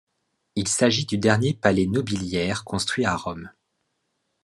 Il s'agit du dernier palais nobiliaire construit à Rome.